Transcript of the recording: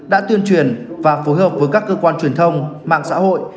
đã tuyên truyền và phối hợp với các cơ quan truyền thông mạng xã hội